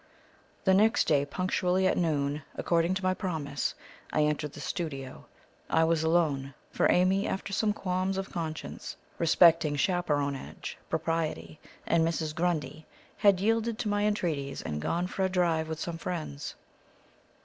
The next day, punctually at noon, according to my promise, I entered the studio. I was alone, for Amy, after some qualms of conscience respecting chaperonage, propriety, and Mrs. Grundy, had yielded to my entreaties and gone for a drive with some friends.